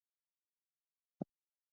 وریځوهوا تیار کړی ده